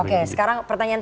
oke sekarang presiden jokowi